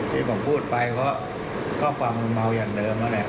ที่ผมพูดไปก็ความเมาอย่างเดิมแล้วแหละ